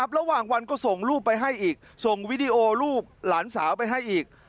ระหว่างวันก็ส่งรูปไปให้อีกส่งวิดีโอรูปหลานสาวไปให้อีก